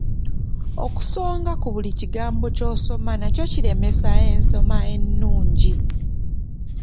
Okusonga ku buli kigambo ky'osoma nakyo kiremesa ensoma ennungi.